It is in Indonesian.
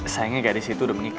sayangnya gadis itu udah menikah